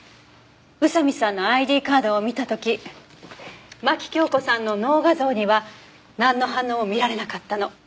宇佐見さんのＩＤカードを見た時牧京子さんの脳画像にはなんの反応も見られなかったの。